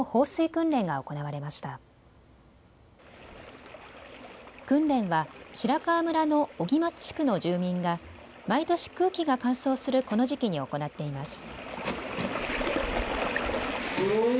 訓練は白川村の荻町地区の住民が毎年、空気が乾燥するこの時期に行っています。